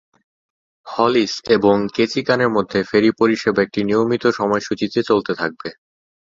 Hollis এবং কেচিকানের মধ্যে ফেরি পরিষেবা একটি নিয়মিত সময়সূচিতে চলতে থাকবে।